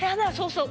そう